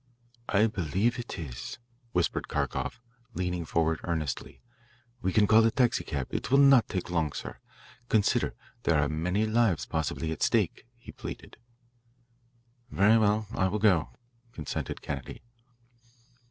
"I believe it is," whispered Kharkoff, leaning forward earnestly. "We can call a taxicab it will not take long, sir. Consider, there are many lives possibly at stake," he pleaded. "Very well, I will go," consented Kennedy.